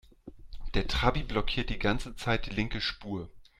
Der Trabi blockiert die ganze Zeit die linke Spur.